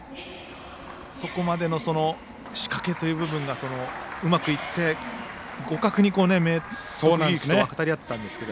そこまでの仕掛けという部分がうまくいって互角に、明徳義塾と渡り合っていたんですけどね。